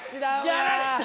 やられた！